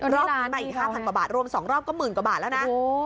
รอบนี้มาอีก๕๐๐กว่าบาทรวม๒รอบก็หมื่นกว่าบาทแล้วนะ